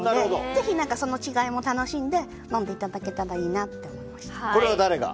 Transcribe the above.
ぜひ、その違いも楽しんで飲んでいただけたらいいなとこれは誰が？